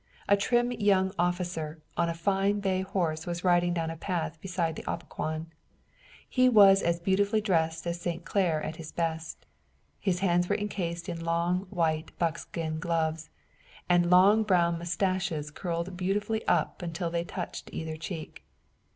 A trim young officer on a fine bay horse was riding down a path beside the Opequon. He was as beautifully dressed as St. Clair at his best. His hands were encased in long white buckskin gloves, and long brown mustaches curled beautifully up until they touched either cheek.